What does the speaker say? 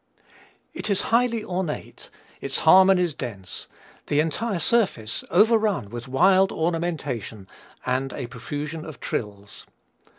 It is highly ornate, its harmonies dense, the entire surface overrun with wild ornamentation and a profusion of trills.